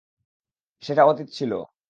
সেটা অতীত ছিলো।